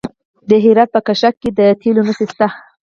د هرات په کشک کې د تیلو نښې شته.